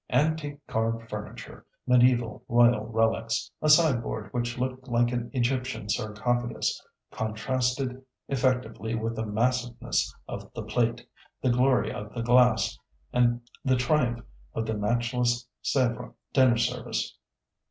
Antique carved furniture, mediæval royal relics, a sideboard which looked like an Egyptian sarcophagus, contrasted effectively with the massiveness of the plate, the glory of the glass, the triumph of the matchless Sèvres dinner service.